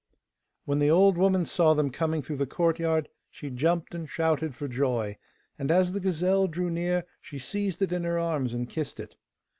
When the old woman saw them coming through the courtyard she jumped and shouted for joy, and as the gazelle drew near she seized it in her arms, and kissed it.